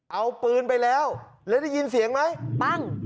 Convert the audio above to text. เอาปืนไปแล้วแล้วได้ยินเสียงไหมปั้ง